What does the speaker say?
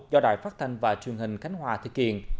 do đài phát thanh và truyền hình khánh hòa thực hiện